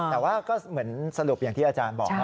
แต่ว่าก็เหมือนสรุปอย่างที่อาจารย์บอกนะ